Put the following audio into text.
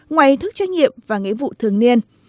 ngoài thức trách nhiệm và nghĩa vụ thường niên